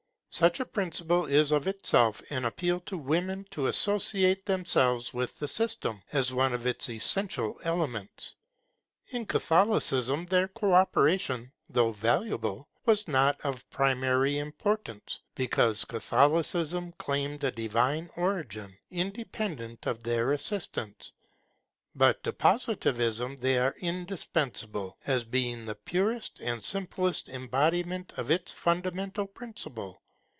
Such a principle is of itself an appeal to women to associate themselves with the system, as one of its essential elements. In Catholicism, their co operation, though valuable, was not of primary importance, because Catholicism claimed a divine origin independent of their assistance. But to Positivism they are indispensable, as being the purest and simplest embodiment of its fundamental principle.